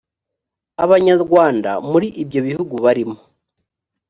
abanyarwanda muri ibyo bihugu barimo